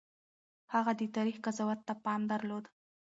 هغه د تاريخ قضاوت ته پام درلود.